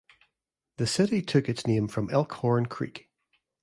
The city took its name from Elk Horn Creek.